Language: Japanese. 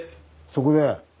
そこで。